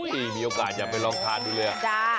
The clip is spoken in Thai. โอ้โหมีโอกาสจะไปลองทานดูเลยอ่ะ